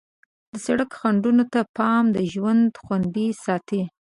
د سړک خنډونو ته پام د ژوند خوندي ساتي.